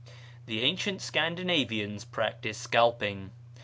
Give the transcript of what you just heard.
The ancient Scandinavians practised scalping.